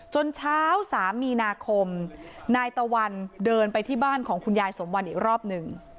จนเช้า๓มีนาคมนายตะวันเดินไปที่บ้านของคุณยายสมวันอีกรอบหนึ่ง